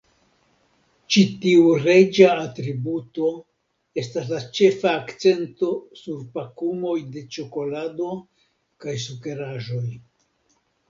Ĉi tiu reĝa atributo estas la ĉefa akcento sur pakumoj de ĉokolado kaj sukeraĵoj.